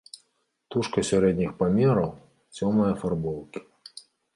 Птушка сярэдніх памераў, цёмнай афарбоўкі.